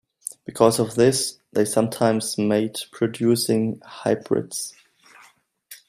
Because of this they sometimes mate producing hybrids.